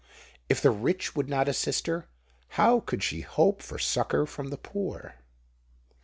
If the rich would not assist her, how could she hope for succour from the poor?